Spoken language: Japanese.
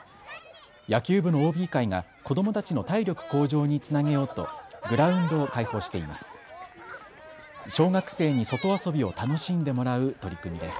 野球部のＯＢ会が子どもたちの体力向上につなげようとグラウンドを開放しています。